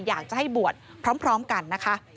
อยากจะให้บวชพร้อมกันนะคะ